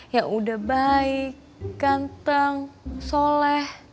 ya udah baik ganteng soleh